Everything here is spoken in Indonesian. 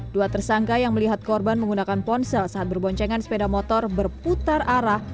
dua tersangka yang melihat korban menggunakan ponsel saat berboncengan sepeda motor berputar arah